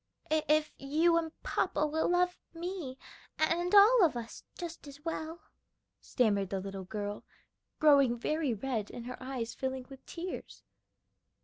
"If you and papa will love me and all of us just as well," stammered the little girl, growing very red, and her eyes filling with tears.